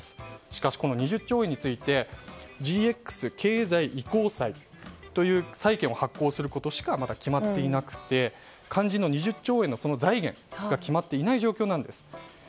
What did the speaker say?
しかしこの２０兆円についてＧＸ経済移行債という債券を発行することしかまだ決まっていなくて肝心の２０兆円の財源が決まっていない状況です。